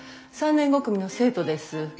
３年５組の生徒です。